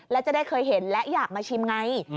และจะได้เคยเห็นและอยากมาชิมไง